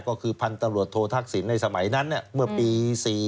ก็คือพันธุ์ตำรวจโททักษิณในสมัยนั้นเมื่อปี๔๔